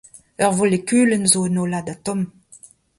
Ur volekulenn zo un hollad atom.